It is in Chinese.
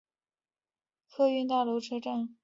城市机场客运大楼车站。